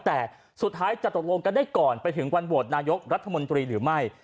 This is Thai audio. แต่สุดท้ายจะตกลงกันได้ก่อนไปถึงวันโหวตนายกรัฐมนตรีหรือไม่